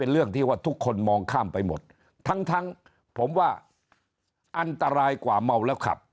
เราข้ามไปหมดทั้งผมว่าอันตรายกว่าเมาแล้วขับ